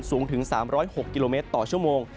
สูงถึง๓๐๖กิโลเมตรต่อชั่วโมง